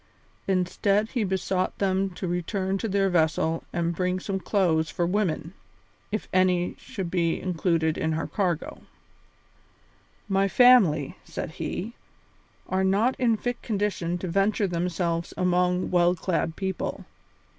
Instead, he besought them to return to their vessel and bring back some clothes for women, if any such should be included in her cargo. "My family," said he, "are not in fit condition to venture themselves among well clad people.